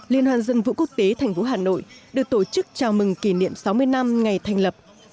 liên hoan dân vũ quốc tế thành phố hà nội được tổ chức chào mừng kỷ niệm sáu mươi năm ngày thành lập